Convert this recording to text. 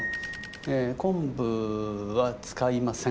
昆布は使いません。